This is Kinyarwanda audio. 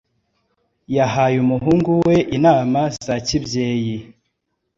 yahaye umuhungu we inama za kibyeyi.